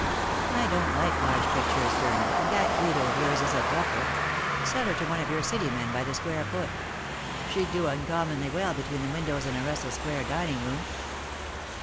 " I don't like large pictures, Gurner, and that Guido of yours is a duffer. Sell her to one of your City men by the square foot. She'd do uncommonly well between the windows in a Russell square dining room."